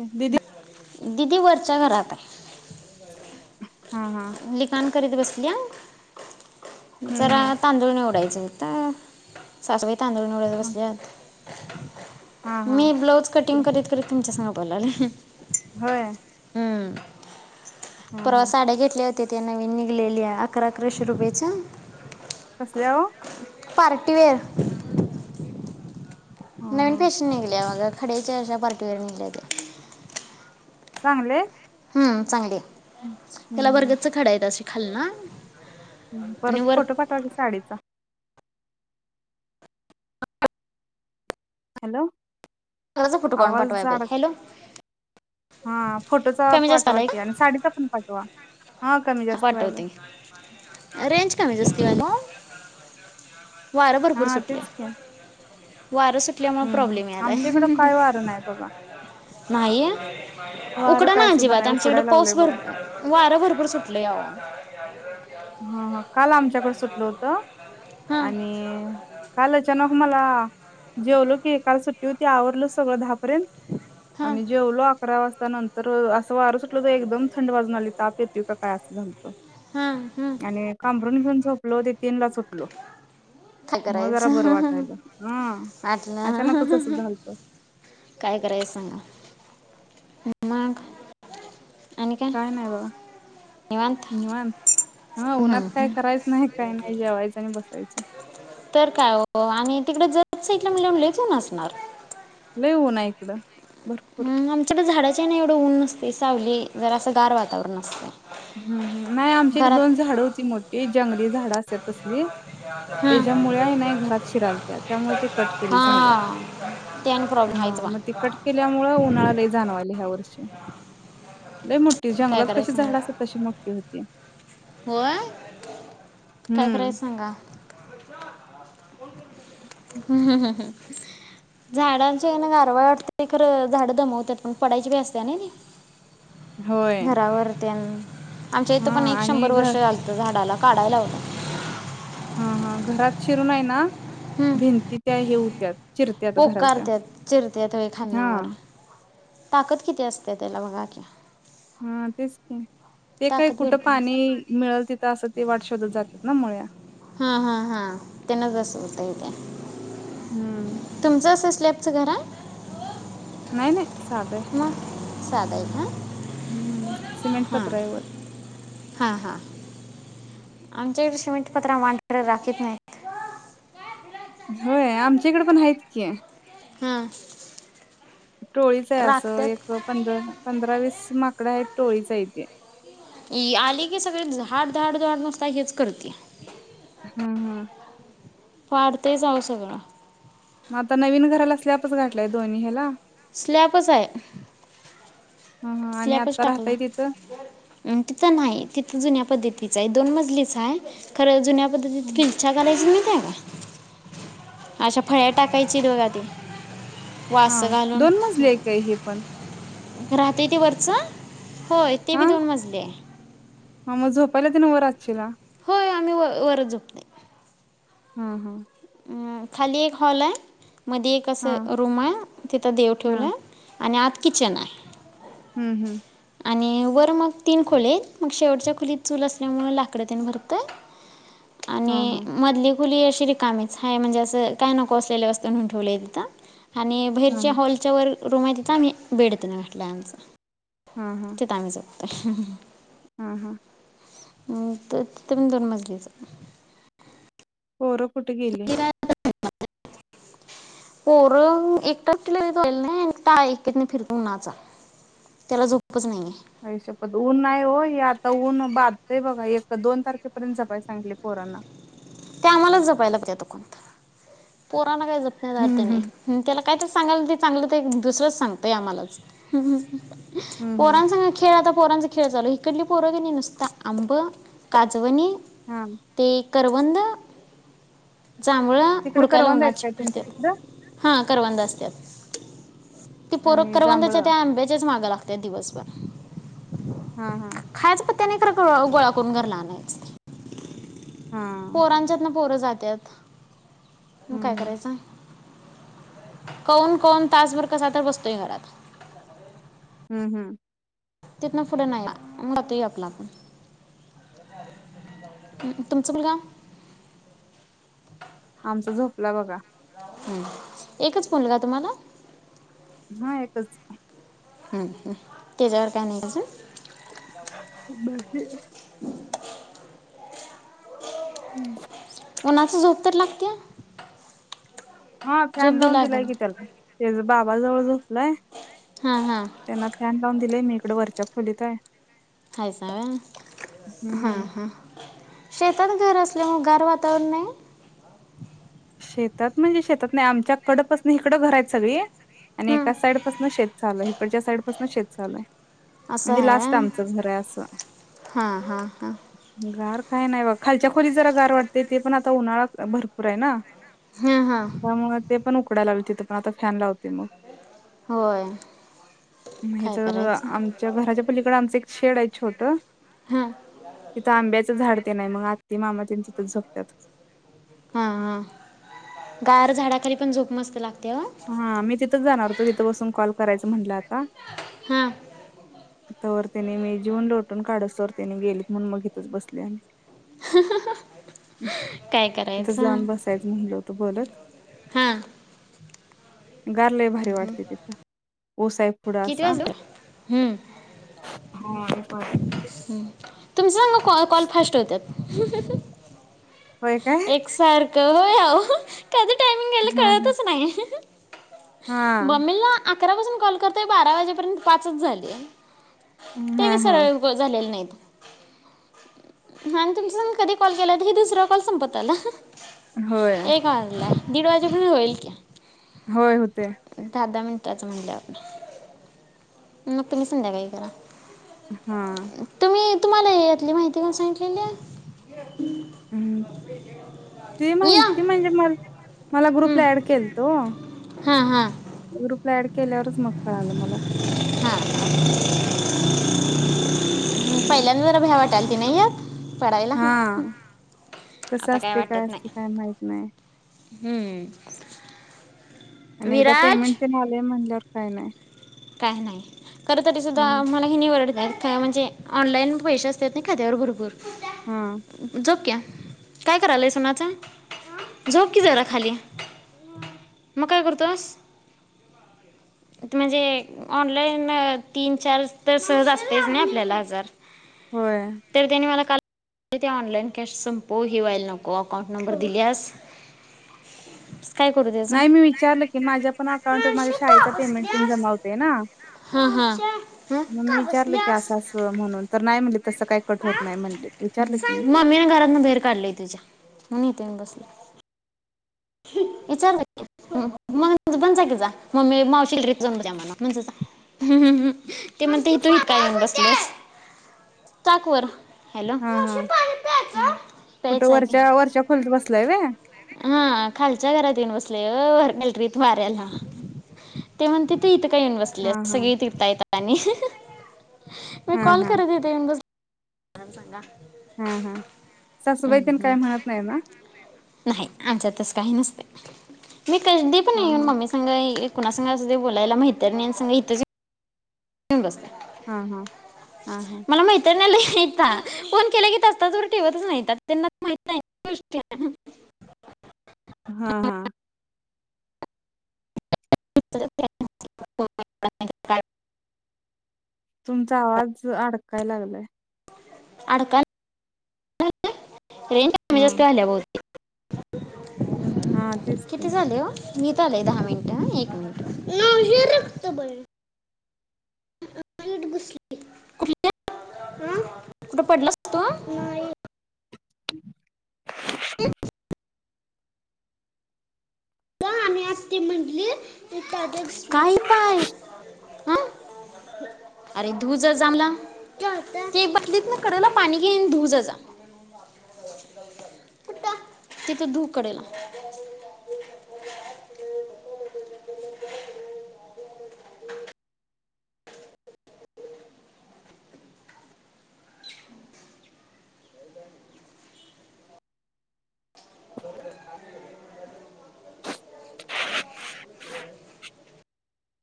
दिदी दिदी वर च्या घरात आहे. हा हा लिखाण करीत बसलिया. हम्म जरा तांदूळ निवडायचं हाईत. तर सासूबाई तांदूळ निवडत हम्म बसल्यात हा [unintelligible] हा मी हा. ब्लाऊज कटिंग करीत करीत तुमच्या सगं बोललोय होय हम्म. हा परवा हा साड्या घेतल्यात. ते त्या नवीन निघलेल्या अकरा अकराशे रुपयेच्या. कसल्या वो? पार्टीवेअर. हा नवीन हा फाॅशेन निघलीया वो आता ती खडया च्या अश्या बारक्या बारक्या निघल्यात त्या चांगल्या हाईत हम्म चांगली हाय त्याला हम्म बरगतच खड आहेत आस खालन-अ परत फोटो पाठवा की साडीचा हॅलो [unintelligible] फोटो काढून आवाज पाठवाया पाय जाड हॅलो हा फोटोचा कमी जास्त पाठवा आलाय की आणि साडीचा पण पाठवा हा कमी जास्त व्हायला पाठवते रेंज [unintelligible] वारं भरपूर हा सुटलय तेच की वारं सुटल्यामुळे हम्म हम् प्रॉब्लेम यायलाय आमच्या इकडं काय वारं नाही बघा नाहीय वारं उकडा ना काय सुद्धा अजिबात नाही आमच्याकडे उकडाय पाऊस लागलंय भर बघा वारं भरपूर सुटलय आओ [inaudible] हा हा काल आमच्याकडे सुटलं होत हां आणि काल अचानक मला जेवलो की काल सुट्टी होती आवरलं सगळं धा पर्यन्त हां आणि जेवलो अकरा वाज नंतर अस वार एकदम थंड बाजून आली ताप येतो काय असं झालत हां हां आणि काम पांघरुण घेऊन झोपलो ते तीनलाच ऊटलो काय करायचं हा अचानकच असं वाटलं झालतं काय करायचं सांगा मग काय नाही बघा निवांत निवांत हा उन्हात हं, काय हं. करायचं नाही काय नाही जेवायचं आणि बसायचं [inaudible] तर काय हो आणि तिकड जत‌ साईडला म्हटल्यावर लेचून ऊन असणार लय ऊन हाय इकडं भरपूर हम आमच्याकडे झाडाच्या एन एवढं ऊन नसतं ती सावली जरा असं गार वातावरण असते हम् हम नाही आमच्या इथडे दोन झाडं होती मोठी जंगली झाड तसली हां त्याच्यामुळे नाही घरात शिरालत्या त्यामुळे ते कट केली झाड हां ते आणि प्रॉब्लेम आहेच हा बा मग ते कट केल्यामुळे उन्हाळा् लय जाणवाले ह्या वर्षी लई मोठी काय जंगलात कशी करायचं झाड सांगा असत्यात. होय काय हम्म. करायच सांगा. हम्म हम् हम् हम् झाडांच्या ना गारवा वाटते खरं झाडं दमवतात पण पडायची भी असते ना. होय. घरावर त्यां आमच्या इथं हा पण एक आणि शंभर घ वर्ष झालतं झाडाला काढाय लावला. हा हा घरात शिरून हाय ना. भिंती त्या हे उ [unintelligible] पोककारत्यात चिरत्यात होय खालन वर हां ताकद किती असतेय त्याला बघाखी हा तेच ते ते काय कुठं भरपूर पाणी असते मिळल तिथं असं ते वाट शोधत जातात ना मुळ्या त्या हम्म. तुमच अस. स्लपच घर हाय. हाय ने मग साध हाय हम्म. सिमेंट हा पत्रा आहे वर. हा हा हा. आमच्याकडे शिमेंटपत्रा मांढर राखित नाहीत. होय आमच्याकडे पण आहेत की, हम टोळीच आहे असं एक पंध पंधरा वीस माक कड आहेत टोळीचा हाय ती. आली की सगळे झाड धाड धाड नुसत हेच करत्या. हम्म हम्. पाडतयच‌ आव सगळं. म आता नवीन घराला स्लॅपच घातलाय दोन्ही ह्याला स्लॅबच आहे. हा हा आणि स्लॅपच आता टाकला राहताय तिथं तिथं नाही तिथ जुन्या पद्धती दोन मजलीच आहे खरं जुन्या पध्दतीत खिल्चा करायच नाही. अछा फळ्या टाकायची बघा ती हा दोन मजली हाय काय हे पण राहतेय ते वरचं होय ते बी दोन मजले आहे. ह मग झोपायला तेन वर असचीला होय आम्ही वर वर झोपतोय हम् हम् खाली एक हॉल हाय मध्ये एक हा असं रूम आहे तिथं देव हा ठेवलाय आणि आत किचन‌ आहे. हम्म हम्म आणि वर मग तीन खोले आहेत, मग शेवटच्या खोलीत चूल असल्यामुळं लाकडं तेन भरतंय. हा आणि हा मधली खुली अशी रिकामी हाय म्हणजे असं काय नको असलेले, वस्तू नेहुन ठेवलेय तिथ आणि हा बाहेरच्या हॉलच्यावर. रूम आहे तथ आम्ही बेड तेन घातलाय आमचा. हा हा तेथ आमचा. [unintelligible] हा हा म तिथ पण दोन मजलीच आहे. पोरं कुठे गेली. पोर एक तारखेला [unintelligible] नाही फिर [unintelligible] उ नाचा त्याला झोपच नाहीये. आयशप्पत ऊन नाय ओ हे, आता ऊन बाधतय बघा एक दोन तारखेपर्यंत जपाय सांगितलय पोरांना. त्या आम्हालाच जपाय लागत्यात [unintelligible] [unintelligible] जपण्यात काय अर्थ हम्म हम्म नाही त्याला काय तरी सांगायलो सांगलं तर एक दुसरंच सांगतय आम्हालाच. हम्म हम्म पोरांसग खेळ आता पोरांचा खेळ चालू‌ हाय, इकडली पोरं क नाही नुसता आंब, काजवणी. हा. ते करवंद जांभळ तिकडे हुडकायला करवंद आहेत उन्हाची काय तुमच्या तिकडं पडत्यात हा करवंदा आसलेली त्याच. ती पोर आणि जांभळ करवंदच्या त्या आंब्याच्याच माग. त्या दिवसभर हा हा त्याने तर ग गोळा करून घरला आणायच. हा पोरांच्यातन पोरं जात्यात. मग काय हम्म हम्म करायच. कोौन कोौन तासभर कसा तर बसतोय घरात. हम्म हम्म तिथन पुढ नाय जातय आपला आपण तुमचा मुलगा आमचा झोपला बघा. एकच मुलगा तुम्हाला. हा एकच हुं हुं तेच्यावर काय नाही का अजून बाकी [unintelligible] उन्हाच झोप तर लागतेया हा फॅन लावून दिलाय की त्याला त्याज बाबा जवळ झोपलाय हां हां त्यांना फॅन लावून दिलय मी कड वरच्या खोलीत हाय. हायसा व्हय हां हम्म हां शेतात घर असल म गार वातावरण नाय. शेतात म्हणजे शेतात नाय आमच्याकडपासन हीकडं घर आहेत सगळी आणि हं, एका साईड पासन शेत चालू हाय इकडच्या साईड पासन शेत चालू हाय असं म्हणजे आहे लास्ट व्हय. आमचं घर आहे असं हां हां हां गार काय नाय बघ खालच्या खोलीत जरा गार वाटतय ते पण आता उन्हाळा भरपूर आहे ना हां हां त्यामुळ ते पण उकडायला लागलं तिथ पण आता फॅन लाव ते मं होय मं काय हेचा करायचं आमच्या घराच्या पलीकड आमच एक शेड हाय छोटं हां तिथं आंब्याचं झाड ते नाय मग आत्ती मामा तेन तिथच झोपत्यात. हा हा गार झाडाखाली पण झोप मस्त लाग हा मी तिथंच जाणार होतो तिथं बसून कॉल करायचं म्हणलं आता हां तर त्यानी मी जीऊन लोटून काढूसतर त्यांनी गेलीत म्हणून मग हीतच बसले आणि काय तिथं करायचं जाऊन बसायचं म्हणलं होतं बोलत हा गार लय भारी वाटतय तीत किती वाजले ओ हुं हा [unintelligible] तुमचं संग कॉ कॉल फास्ट होत्यात. होय काय एक सार का व्हय आओ कधी टायमिंग यायला हा हा कळतच नाही. हा बमिला अकरा पासून कॉल करताय बारा वाजेपर्यंत पाच झाली ते हा वि हा सरा झालेले नाहीत ह तुमचा कधी कॉल केला तर हे दुसर काल संपतला होय ए गल आहे दीड वाजेमध्ये होईल का्या होय होते त्याच म्हणलं आपण मग तुही संध्या काही करा हा तुम्ही तुम्हाला यातली माहिती काण सांगितलेली ह् ते या माहिती म्हणजे म मला हां ग्रुपला ऍड के तो हां हां ग्रुपला ऍड केलर्स मकळ आलं मला हां पहिल्यांदा जरा भ्या वाटायल की नाही यात हा पडायला कसं आता असते काय वाटत असते नाही. काय माहित नाही हम्म आणि एकदा विराज पेमेंट ते झालेय म्हणल्यावर काय नाही काय नाही खर तरी हा सुद्धा मला हे निवड जाल काय म्हणजे ऑनलाईन पैसे असतात नाही का त्या्यावर हा भरपूर झोक्य काय करायलय सोनाच झोप क जरा खाली मग काय करतोस म्हणजे ऑनलाईन तीन चार तर सहज असतेच नाही आपल्याला हजार होय तर त्यानी मला का ते ऑनलाइन कॅश संपो हिवा्हाला नको अकाउंट नंबर दिल्यास काय करू त्याचा? नाही मी विचारलं की माझ्या पण अकाउंटवर माझ्या शाळेचा पेमेंट जमा होते ह ह मग मी का बस विचारलं की असं असं म्हणून तर नाही म्हणले तसं काही कट होत नाही म्हणले विचारलं की मी. मम्मीने घरातन बाहेर काढलीय तुझ्या म्हून यथे बस विचारलं मग पण जा की जा मग म मावशी ट्र्रीप जाऊन द्या मला म्हणजे ते म्हणते तू इत काय येऊन बसलस चाकवर हॅलो हा ला कुठं वरच्या वरच्या खोलीत बसलाय व्हय म्हण का येऊन बसले अस हा हा सगळी तिरता येत आणि मी हा कॉल हा करतते देन ब आरम सांगा हम हम हम्म, सासबाईतन हम्म. काय म्हणत नाही ना नाही आमच्यात तसं काही नसते मी कधी पण हा येऊन हा मम्मी सांगा कुणा संग असूदे बोलायला म्हैतरनिंसंग इथंच ये [unintelligible] हां हां आं हां हैता फोन केलाकी तास तास भर ठेवतच नाहीत आता त्यांना माहीत नाही गोष्टी [inaudible] हां हां [inaudible] तुमचा आवाजअ अडकाय लागलाय अडकाल [inaudible] रेंज कमी जास्त व्हायच्या बहुत [inaudible] हां तेचकी [unintelligible] आलय दहा मिन्ट हां एक मिन्ट [inaudible] हाईट बसली हां कुठं पड्लास तु? नाही [inaudible] का आनी आत्ती म्हंटली [unintelligible] काय ही पाय अं अरे धूजजामलाम [unintelligible] ते बाटलीतन कडेला पाणी घेअन धूज जा कुटं तिथ धू कडेला